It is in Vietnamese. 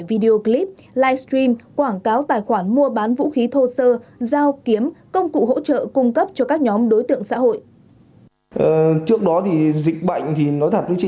video clip live stream quảng cáo tài khoản mua bán vũ khí thô sơ giao kiếm công cụ hỗ trợ cung cấp cho các nhóm đối tượng xã hội